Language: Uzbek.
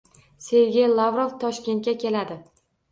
Sergey Lavrov Toshkentga keladi